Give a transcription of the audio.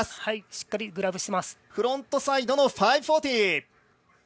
フロントサイド５４０。